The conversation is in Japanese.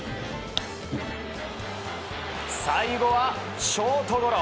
最後はショートゴロ。